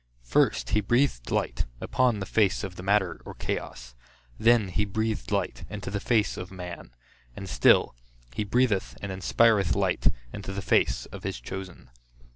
First he breathed light, upon the face of the matter or chaos; then he breathed light, into the face of man; and still he breatheth and inspireth light, into the face of his chosen.